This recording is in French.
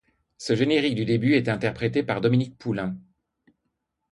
Ce générique du début est interprété par Dominique Poulain.